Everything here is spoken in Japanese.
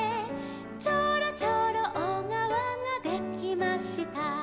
「ちょろちょろおがわができました」